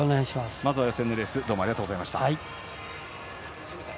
まずは予選のレースどうもありがとうございました。